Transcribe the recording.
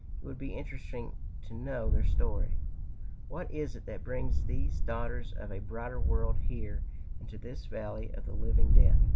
It would be interesting to know their story what it is that brings these daughters of a brighter world here into this valley of the living death.